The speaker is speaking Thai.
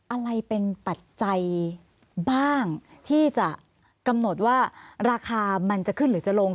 อะไรเป็นปัจจัยบ้างที่จะกำหนดว่าราคามันจะขึ้นหรือจะลง